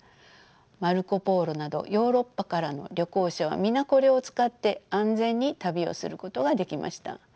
マルコ・ポーロなどヨーロッパからの旅行者は皆これを使って安全に旅をすることができました。